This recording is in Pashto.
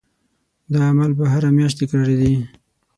دا عمل به هره میاشت تکرارېدی.